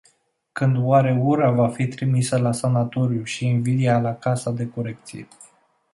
Când oare ura va fi trimisă la sanatoriu și invidia la casa de corecție?